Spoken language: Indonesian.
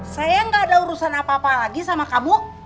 saya nggak ada urusan apa apa lagi sama kamu